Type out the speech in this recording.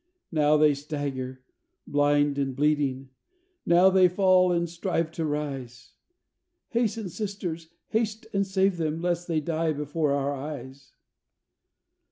Now they stagger, blind and bleeding; now they fall and strive to rise; Hasten, Sisters, haste and save them, lest they die before our eyes.